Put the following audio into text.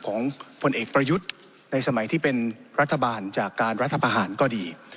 ผลเอกประยุทธ์ในสมัยที่เป็นรัฐบาลจากการรัฐประหารก็ดี